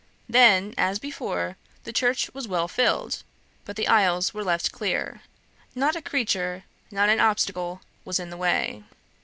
Then, as before, the church was well filled, but the aisles were left clear; not a creature, not an obstacle was in the way.